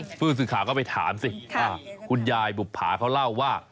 อ้าวฟื้นศึกฐานก็ไปถามสิคุณยายบุภาเขาเล่าว่า